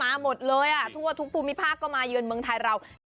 มาหมดเลยทั่วทุกภูมิภาคก็มาเยือนเมืองไทยเรา